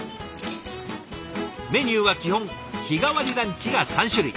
メニューは基本日替わりランチが３種類。